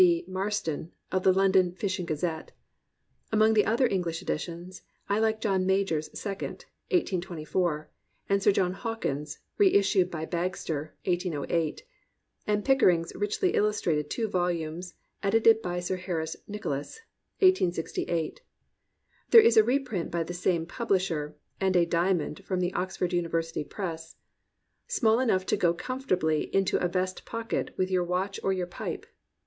B. Marston of the London Fishing Gazette. Among the other English editions I like John Major's second (1824) ; and Sir John Hawkins', reissued by Bagster (1808); and Pickering's richly illustrated two vol umes edited by Sir Harris Nicolas (1836). There is a 32mo reprint by the same publisher, (and a " dia mond" from the Oxford University Press,) small enough to go comfortably in a vest pocket with your watch or your pipe.